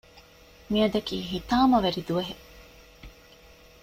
މިއަދަކީ ހިތާމަވެރި ދުވަހެއް